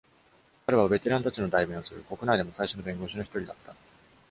彼は、ベテランたちの代弁をする、国内でも最初の弁護士の一人だった。